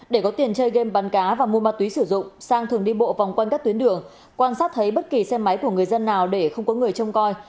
để có tiền chơi game bắn cá và mua ma túy sử dụng sang thường đi bộ vòng quanh các tuyến đường quan sát thấy bất kỳ xe máy của người dân nào để không có người trông coi